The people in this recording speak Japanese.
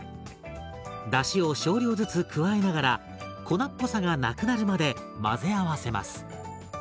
だしを少量ずつ加えながら粉っぽさがなくなるまで混ぜ合わせます。